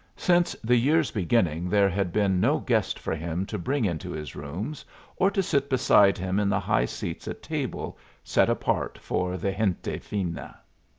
Since the year's beginning there had been no guest for him to bring into his rooms, or to sit beside him in the high seats at table, set apart for the gente fina.